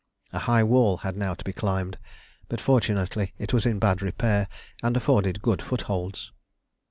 A high wall had now to be climbed, but fortunately it was in bad repair and afforded good footholds.